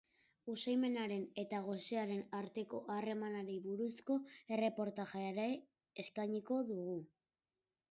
Usaimenaren eta gosearen arteko harremanari buruzko erreportajea ere eskainiko du.